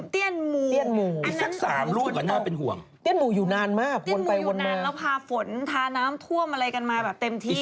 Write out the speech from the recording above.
เตี้ยนหมู่อีกสักสามลูกอ่ะน่าเป็นห่วงเตี้ยนหมู่อยู่นานมากวนไปวนมานานแล้วพาฝนทาน้ำท่วมอะไรกันมาแบบเต็มที่